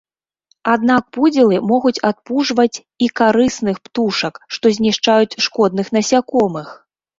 Аднак пудзілы могуць адпужваць і карысных птушак, што знішчаюць шкодных насякомых.